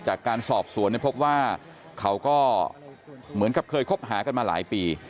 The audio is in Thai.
จากการสอบสวนพบว่าเขาก็เหมือนกับเคยคบหากันมาหลายปี